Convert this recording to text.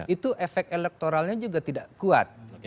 itu efek elektoralnya juga tidak kuat